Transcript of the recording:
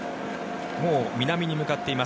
もう南に向かっています